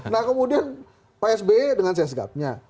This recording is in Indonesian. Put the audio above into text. nah kemudian pak sby dengan sesgapnya